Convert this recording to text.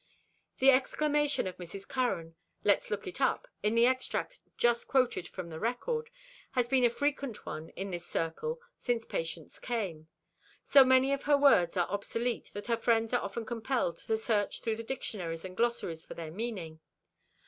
The exclamation of Mrs. Curran, "Let's look it up," in the extract just quoted from the record, has been a frequent one in this circle since Patience came. So many of her words are obsolete that her friends are often compelled to search through the dictionaries and glossaries for their meaning.